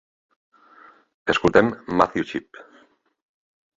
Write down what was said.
Escoltem Matthew Shipp.